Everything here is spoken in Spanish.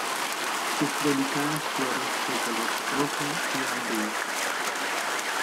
Sus delicadas flores de color rojo y amarillo.